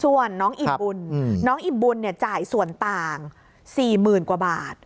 ส่วนน้องอิ่มบุญน้องอิ่มบุญจ่ายส่วนต่าง๔๐๐๐กว่าบาท